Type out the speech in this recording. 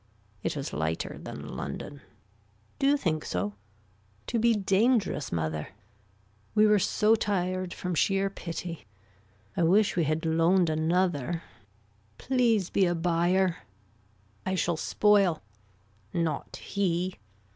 It was lighter than London. Do you think so. To be dangerous mother. We were so tired from sheer pity. I wish we had loaned another. Please be a buyer. I shall spoil. Not he.